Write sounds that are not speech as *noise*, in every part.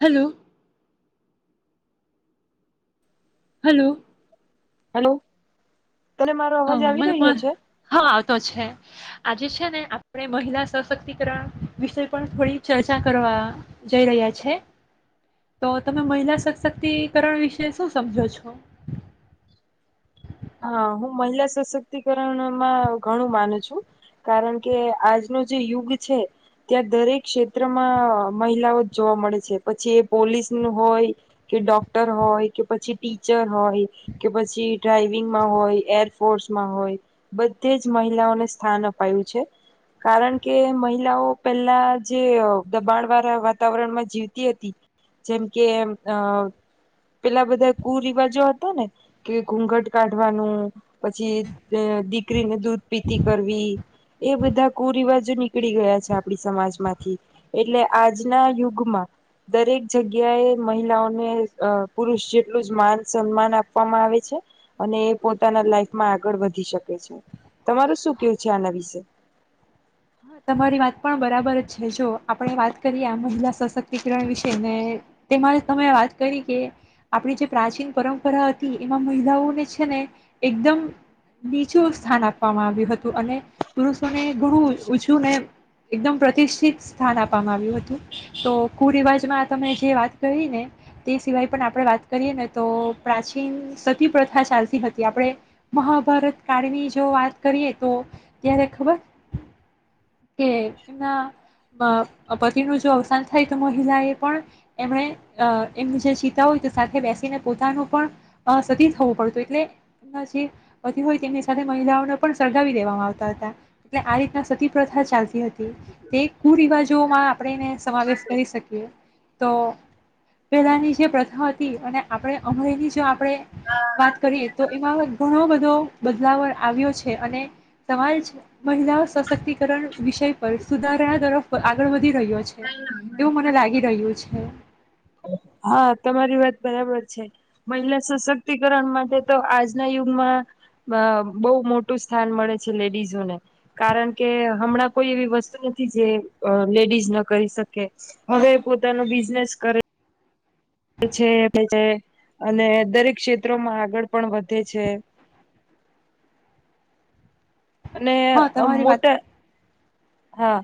Hello. Hello. Hello. તને મારો હ અવાજ આવી મને રહ્યો પણ છે હ આવતો છે આજે છે છે ને આપણે મહિલા સશક્તિકરણ વિષય પણ થોડી ચર્ચા કરવા જઈ રહ્યા છે તો તમે મહિલા સશક્તિકરણ વિશે શું સમજો છો? હા હું મહિલા સશક્તિકરણમાં ઘણું માનું છું કારણ કે આજનો જે યુગ છે ત્યાં દરેક ક્ષેત્રમાં મહિલાઓ જ જોવા મળે છે પછી એ પોલીસ ન હોય કે ડોક્ટર હોય કે પછી ટીચર હોય કે પછી ડ્રાઈવ વિંગ માં હોય એરફોર્સમાં હોય બધે જ મહિલાઓને સ્થાન અપાયું છે કારણ કે મહિલાઓ પેલા જે દબાણ વાળા વાતાવરણમાં જીવતી હતી જેમ કે અ પેલા બધા કુરિવાજો હતા ને કે ઘૂઘટ. કાઢવાનું પછી દીકરીને દૂધ પીતી કરવી. એ બધા કુરિવાજો નીકળી ગયા છે આપણી સમાજમાંથી એટલે આજના યુગમાં દરેક જગ્યાએ મહિલાઓને અ પુરુષ જેટલું જ માન સન્માન આપવામાં આવે છે. અને એ પોતાના લાઈફમાં આગળ વધી શકે છે તમારું શું કેવું છે આના વિશે? હ તમારી વાત પણ બરાબર જ છે જો આપણે વાત કરીએ આ મહિલા સશક્તિકરણ વિશે ને તેમાં તમે વાત કરી કે આપણી જે પ્રાચીન પરં પરા હતી એમાં મહિલાઓ. છે ને એકદમ નીચું સ્થાન આપવામાં આવ્યું હતું અને પુરુષોને ગુરુ ઉંચુ ને એકદમ પ્રતિષ્ઠિત સ્થાન આપવામાં આવ્યું હતું તો કુરિવાજમાં તમે જે વાત કરી ને તે સિવાય પણ આપણે વાત કરીએ ને તો પ્રાચીન સતી પ્રથા ચાલતી હતી આપણે મહાભારત કાળની જો વાત કરીએ તો ત્યારે ખબર? કે એમના અ પતિનું જો અવસાન થાય તો મહિલા એ પણ એમને એમને જે ચીતા હોય તો સાથે બેસીને પોતાનું પણ સતી થવું પડત હતું એટલે એના જે પતિ હોય તેમની સાથે મહિલાઓને પણ સળગાવી દેવામાં આવતા હતા એટલે આ રીતના સતી. પ્રથા ચાલતી હતી તે કુરિવાજોમાં આપણે સમાવેશ કરી શકીએ તો પેલાની જે પ્રથા હતી અને આપણે હમણેની જો આપણે. હા આ વાત કરીએ તો એમાં ઘણો બધો બદલાવ આવ્યો છે અને સમાજ મહિલાઓ સશક્તિ ત્રણ વિષય પર સુધારા તરફ આગળ વધી રહ્યો છે એવું મને લાગી રહ્યું છે. હા તમારી વાત બરાબર છે. મહિલા સશક્તિકરણ માટે તો આજના યુગમાં બહુ મોટું સ્થાન મળે છે લેડીઝોને કારણ કે હમણાં કોઈ એવી વસ્તુ નથી જે અ લેડીઝ ન કરી શકે હવે પોતાનો બિઝનેસ કરે છે *unintelligible* અને દરેક ક્ષેત્રોમાં આગળ પણ વધે છે. અને હા તમારી વાત મોટા હા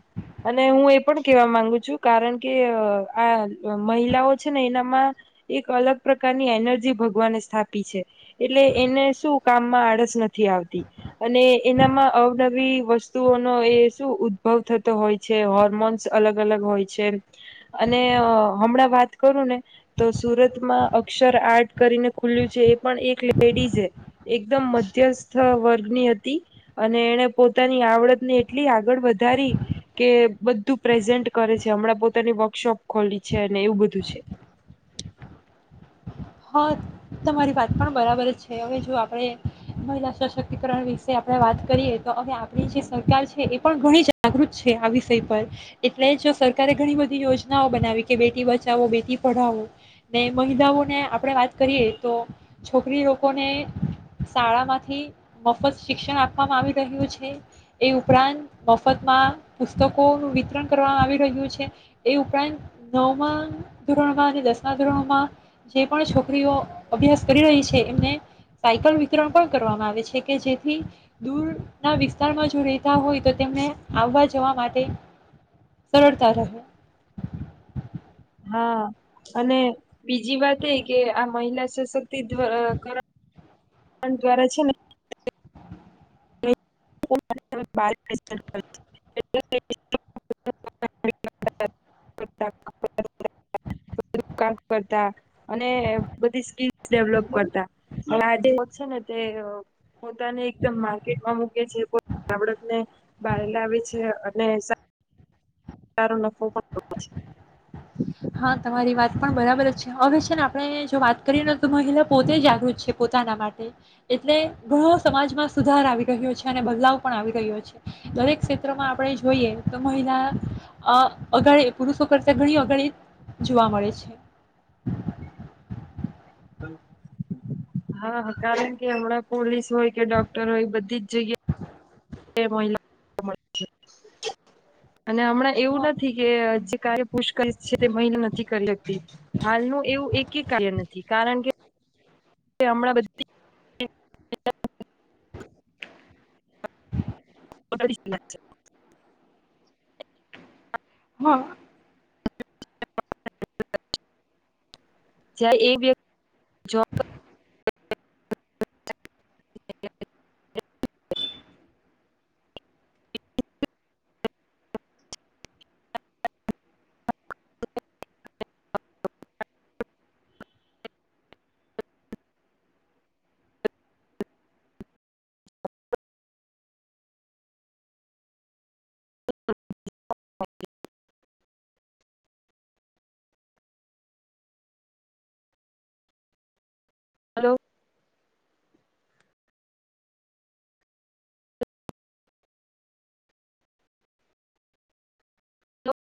અને હું એ પણ કેવા માંગુ છું કારણ કે અ આ મહિલાઓ છે ને એનામાં એક અલગ પ્રકારની એનર્જી ભગવાને સ્થાપી છે. એટલે એને શું કામમાં આળસ ન નથી આવતી અને એનામાં અવનવી વસ્તુઓનો એ શું બહું થતો હોય છે. હોર્મોન્સ અલગ અલગ હોય છે. અને અ હમણાં વાત કરું ને તો સુરતમાં અક્ષર આર્ટ કરીને ખુલ્યું છે. એ પણ એક લેડીઝે એકદમ મધ્યસ્થ વર્ગની હતી. અને એણે પોતાની આવડત ને એટલી આગળ વધ વધારી કે બધ્ધું પ્રેઝન્ટ કરે છે. હમણાં પોતાની વર્કશોપ ખોલી છે અને એવું બધું છે. હા, તમારી વાત પણ બરાબર જ છે. હવે જો આપણેે મહિલા સશક્તિકરણ વિશે આપણે વાત કરીએ તો અહયા આપણી જે સરકાર છે એ પણ ઘણી જાગૃત છે આ વિષય પર એટલે જ સરકારે ઘણી બધી યોજનાઓ બનાવી કે બેટી બચાવો બેટી પઢાવો ને મહિલાઓને આપ આપણે વાત કરીએ તો છોકરી લોકોને શાળામાંથી મફત શિક્ષણ આપવામાં આવી રહ્યું છે. એ ઉપરાંત મફતમાં પુસ્તકોનું વિતરણ કરવામાં આવી રહ્યું છે. એ ઉપરાંત નવમાં ધોરણમાં અને દસમા ધોરણોમાં જે પણ છોકરીઓ અભ્યાસ કરી રહી છે. એમને સાયકલ વિતરણ પણ કરવામાં આવે છે કે જેથી દૂર ના વિસ્ તાર બાજુ જો રેહતા હોય તો તેમને આવાજ જવા માટે સરળતા રહે. હા, અને બીજી વાત એય કે આ મહિલા સશક્તિધ્વ અ કર પન દ્વારા છે ને *inaudible* કરતા અને બધી સ્ક્રિપ્ટ ડેવલોપ કરતા અન આજે વો છેને તે અ પોતાને એકદમ માર કે અમૂકે છે ઓ આવડતને બહાર લાવે છે અ અને સા તારો નફો પણ ઓછો છે. હા, તમારી વાત પણ બરાબર જ છે. હવે છે ને આપણે જો વાત કરીએ ને તો મહિલા પોતે જાગૃત છે પોતાના માટે એટલે ઘણો સમાજમાં સુધાર આવી રહ્યો છે અને બદલાવ પણ આવી રહ્યો છે. દરેક ક્ષેત્રમાં આપણે જોઈએ તો મહિલા અ અગાળી પુરુષો કરતા ઘણી અગાળી જોવા મળે છે. હા, કારણ કે હમણાં પોલીસ હોય કે ડોક્ટર હોય બધી જ જગ્યા તે મહિલા મળે છે. અને હમણાં એવું નથી કે અ જે કાર્ય પુષ્કર છે તે મહિનો નથી કર લેતી. હાલનું એવું એકે કાર્ય નથી. કારણ કે કે હમણાં બધી *inaudible* *inaudible* *inaudible* હા. જ્યાં એ વ્ય જોબ ક *inaudible* *inaudible* *inaudible* *unintelligible* હલો.